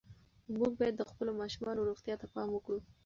موږ باید د خپلو ماشومانو روغتیا ته پام وکړو.